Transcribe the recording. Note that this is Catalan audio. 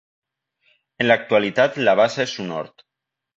En l'actualitat la bassa és un hort.